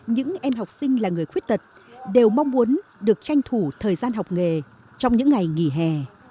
những em học sinh là người khuyết tật đều mong muốn được tranh thủ thời gian học nghề trong những ngày nghỉ hè